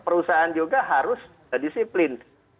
perusahaan juga harus disiplin